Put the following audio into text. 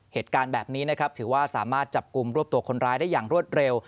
เหตุการณ์แบบนี้นะครับถือว่าสามารถจับกลุ่มรวบตัวคนร้ายได้อย่างรวดเร็ว